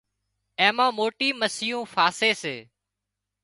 اين مان موٽي مسيون ڦاسي سي